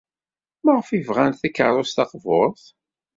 Maɣef ay bɣant takeṛṛust taqburt?